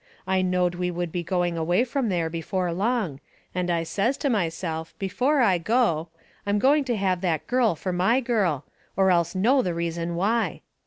I knowed we would be going away from there before long, and I says to myself before I go I'm going to have that girl fur my girl, or else know the reason why.